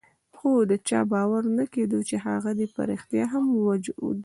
خو د چا باور نه کېده چې هغه دې په ريښتیا هم وجود ولري.